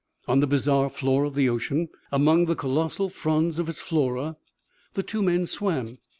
On the bizarre floor of the ocean, among the colossal fronds of its flora, the two men swam.